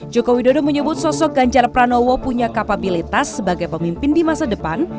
joko widodo menyebut sosok ganjar pranowo punya kapabilitas sebagai pemimpin di masa depan